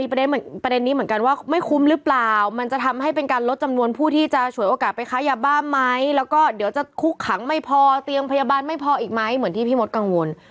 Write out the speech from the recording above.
ประเด็นนี้เหมือนกันว่าไม่คุ้มหรือเปล่ามันจะทำให้เป็นการลดจำนวนผู้ที่จะฉวยโอกาสไปค้ายาบ้าไหมแล้วก็เดี๋ยวจะคุกขังไม่พอเตียงพยาบาลไม่พออีกไหมเหมือนที่พี่มดกังวล